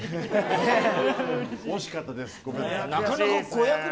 惜しかったです。